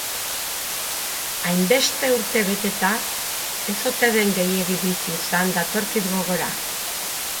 Hainbeste urte beteta, ez ote den gehiegi bizi izan datorkit gogora.